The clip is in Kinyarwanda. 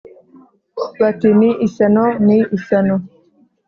bati “Ni ishyano, ni ishyano!